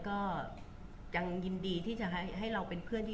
บุ๋มประดาษดาก็มีคนมาให้กำลังใจเยอะ